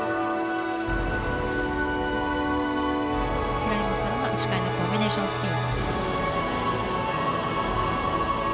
フライングからの足換えのコンビネーションスピン。